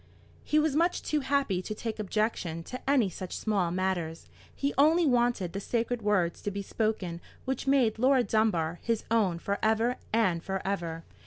He was much too happy to take objection to any such small matters. He only wanted the sacred words to be spoken which made Laura Dunbar his own for ever and for ever.